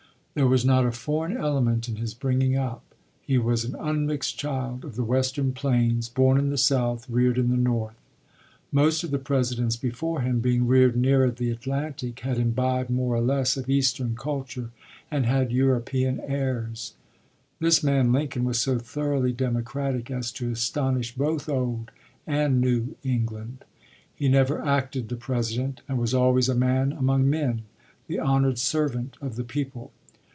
There was not one foreign element in his bringing up; he was an unmixed child of the Western plains, born in the South, reared in the North. Most of the Presidents before him, being reared nearer the Atlantic, had imbibed more or less of Eastern culture and had European airs. This man Lincoln was so thoroughly democratic as to astonish both Old and New England. He never acted "the President," and was always a man among men, the honored servant of the people.